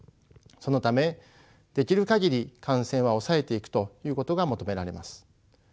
そのためできる限り感染は抑えていくということが求められます。